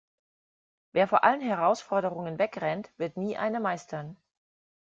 Wer vor allen Herausforderungen wegrennt, wird nie eine meistern.